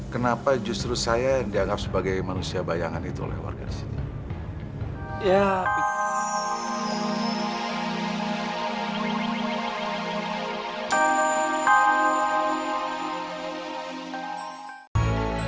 kenapa justru saya yang dianggap sebagai manusia bayangan itu oleh warga di sini